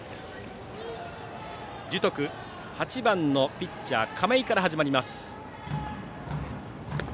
樹徳は８番のピッチャー亀井から始まります。